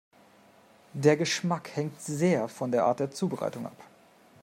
Der Geschmack hängt sehr von der Art der Zubereitung ab.